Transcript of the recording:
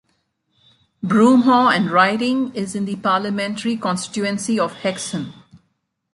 Broomhaugh and Riding is in the parliamentary constituency of Hexham.